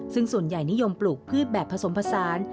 ซึ่งส่วนใหญ่นิยมปลูกพืชแบบผสมผสาน